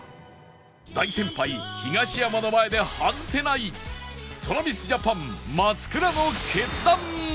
大先輩東山の前で外せない ＴｒａｖｉｓＪａｐａｎ 松倉の決断は？